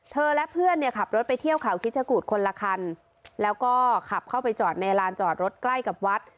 และเพื่อนเนี่ยขับรถไปเที่ยวเขาคิดชะกูดคนละคันแล้วก็ขับเข้าไปจอดในลานจอดรถใกล้กับวัด